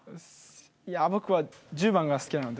いやぁ僕は１０番が好きなので。